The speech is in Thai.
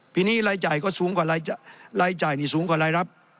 ทีนี้รายจ่ายก็สูงกว่ารายรับ